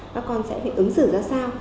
các con sẽ phải ứng xử ra sao